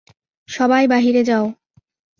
সবাই বাহিরে যাও।